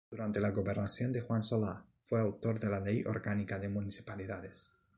Durante la gobernación de Juan Solá fue autor de la Ley Orgánica de Municipalidades.